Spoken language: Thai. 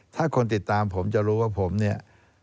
ถ้าคนติดตามผมจะรู้ว่าผมเนี่ย